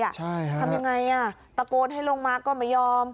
ทำยังไงอ่ะตะโกนให้ลงมาก็ไม่ยอม